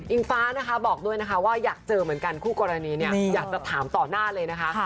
ฟ้านะคะบอกด้วยนะคะว่าอยากเจอเหมือนกันคู่กรณีเนี่ยอยากจะถามต่อหน้าเลยนะคะ